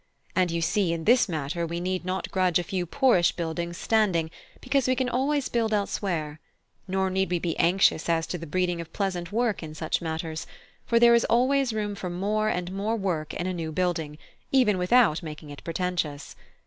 And you see, in this matter we need not grudge a few poorish buildings standing, because we can always build elsewhere; nor need we be anxious as to the breeding of pleasant work in such matters, for there is always room for more and more work in a new building, even without making it pretentious.